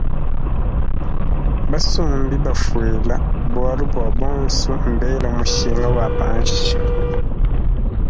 Basumbi mbafwila bwalubwa bonso mbela mushinga wa panshi.